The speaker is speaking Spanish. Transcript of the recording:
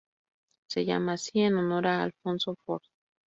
Se llama así en honor a Alphonso Ford.